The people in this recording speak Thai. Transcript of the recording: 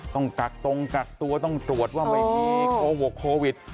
ต้องกักตรงกักตัวต้องตรวจว่าเมื่อกี้โควิด